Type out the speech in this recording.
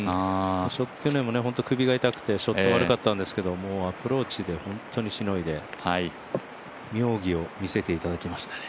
ショットも首も痛くて、ショットも悪かったけどアプローチで本当にしのいで妙技を見せていただきましたね。